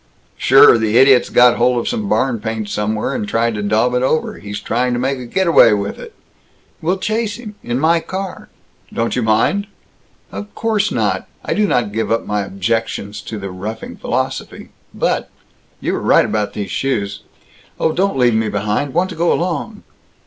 "Sure. The idiot's got hold of some barn paint somewhere, and tried to daub it over. He's trying to make a getaway with it!" "We'll chase him. In my car." "Don't you mind?" "Of course not. I do not give up my objections to the roughing philosophy, but You were right about these shoes Oh, don't leave me behind! Want to go along!"